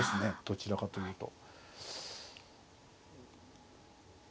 どちらかというと。